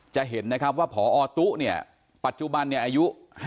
จะเห็นนะครับว่าพอตุ๊เนี่ยปัจจุบันเนี่ยอายุ๕๐